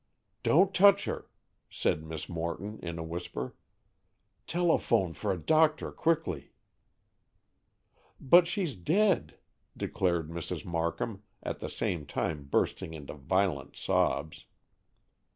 "Don't touch her," said Miss Morton, in a whisper. "Telephone for a doctor quickly." "But she's dead," declared Mrs. Markham, at the same time bursting into violent sobs.